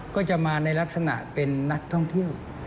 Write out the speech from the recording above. ก็จะมาในลักษณะเป็นนักท่องเที่ยว